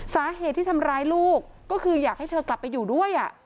สาเหตุที่ทำร้ายลูกก็คืออยากให้เธอกลับไปอยู่ด้วย